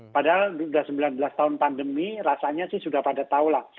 padahal sudah sembilan belas tahun pandemi rasanya sih sudah pada tahu lah